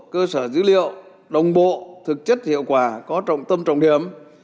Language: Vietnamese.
cơ sở dữ liệu đồng bộ thực chất hiệu quả có trọng tâm trọng điểm